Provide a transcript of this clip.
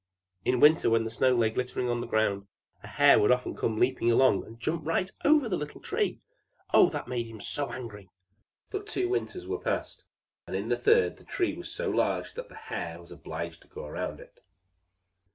In winter, when the snow lay glittering on the ground, a hare would often come leaping along, and jump right over the little Tree. Oh, that made him so angry! But two winters were past, and in the third the Tree was so large that the hare was obliged to go round it.